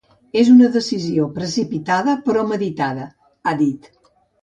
“És una decisió precipitada, però meditada”, ha dit.